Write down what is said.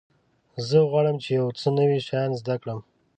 زه غواړم چې یو څه نوي شیان زده کړم.